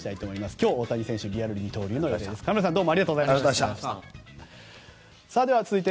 今日、大谷選手のリアル二刀流の話題でした。